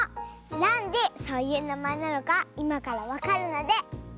なんでそういうなまえなのかいまからわかるのでおたのしみに！